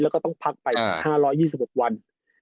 แล้วก็ต้องพักไป๕๒๖วัน